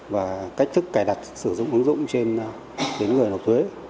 và cách thức cài đặt sử dụng ứng dụng trên đến người nộp thuế